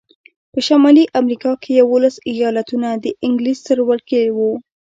په شمالي امریکا کې یوولس ایالتونه د انګلیس تر ولکې وو.